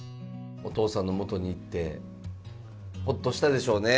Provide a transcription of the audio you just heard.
お父さんのもとに行ってほっとしたでしょうね。